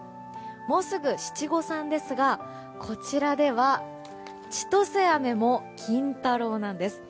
もうすぐ七五三ですがこちらでは千歳飴も金太郎なんです。